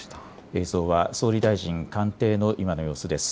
映像は総理大臣官邸の今の様子です。